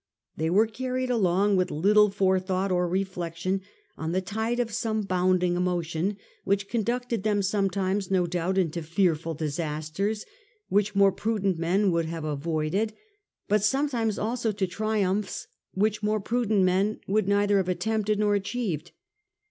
They were carried along, with little forethought or reflection, on the tide of some bounding emotion, which conducted them sometimes, no doubt, into fearful disasters, which more prudent men would have avoided, but sometimes also to triumphs which more prudent men would neither have attempted nor achieved.